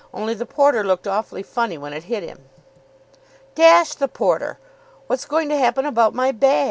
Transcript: "Only the porter looked awfully funny when it hit him." "Dash the porter! What's going to happen about my bag?